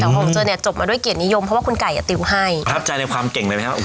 แต่ของเธอเนี่ยจบมาด้วยเกียรตินิยมเพราะว่าคุณไก่อ่ะติวให้ประทับใจในความเก่งเลยไหมครับ